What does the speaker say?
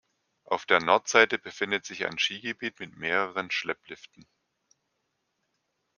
Auf der Nordseite befindet sich ein Skigebiet mit mehreren Schleppliften.